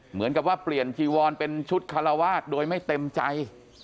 เหมือนกับว่าเปลี่ยนจีวอนเป็นชุดคาราวาสโดยไม่เต็มใจ